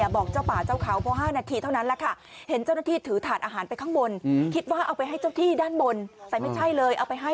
บอกเจ้าป่าเจ้าเขาเพราะ๕นาทีเท่านั้นแล้วค่ะ